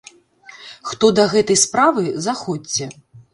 Хто да гэтай справы, заходзьце!